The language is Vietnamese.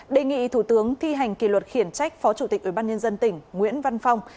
đề nghị thủ tướng thi hành kỷ luật khiển trách phó chủ tịch ủy ban nhân dân tỉnh nguyễn văn phong